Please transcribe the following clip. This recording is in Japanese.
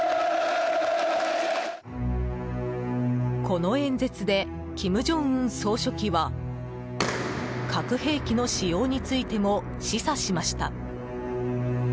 この演説で金正恩総書記は核兵器の使用についても示唆しました。